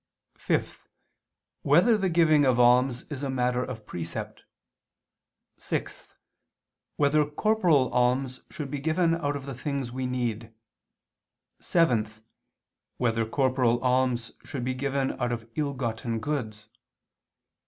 (5) Whether the giving of alms is a matter of precept? (6) Whether corporal alms should be given out of the things we need? (7) Whether corporal alms should be given out of ill gotten goods?